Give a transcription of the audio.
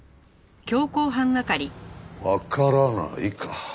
わからないか。